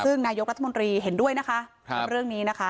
ซึ่งนายกรัฐมนตรีเห็นด้วยนะคะกับเรื่องนี้นะคะ